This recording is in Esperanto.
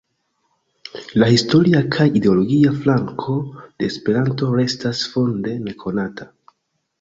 La historia kaj ideologia flanko de Esperanto restas funde nekonata.